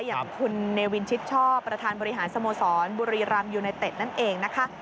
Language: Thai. อย่างคุณเนวินชิดชอบประธานบริหารสโมสรบุรีรำยูไนเต็ดนั่นเองนะคะ